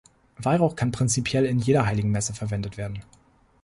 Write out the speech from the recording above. Weihrauch kann prinzipiell in jeder Heiligen Messe verwendet werden.